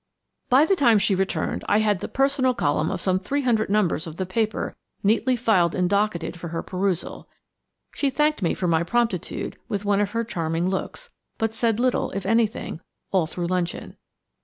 By the time she returned I had the "Personal" column of some three hundred numbers of the paper neatly filed and docketed for her perusal. She thanked me for my promptitude with one of her charming looks, but said little, if anything, all through luncheon.